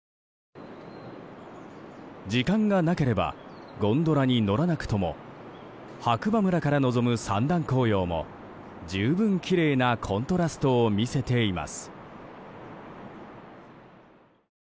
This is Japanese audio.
時間がなければゴンドラに乗らなくとも白馬村から臨む三段紅葉も十分きれいなコントラストを見せています。